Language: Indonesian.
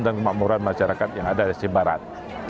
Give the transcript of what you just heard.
dan kemakmuran masyarakat yang ada di aceh barat